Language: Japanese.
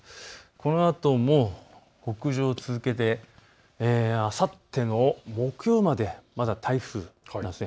このあとも北上を続けてあさっての木曜までまだ台風なんです。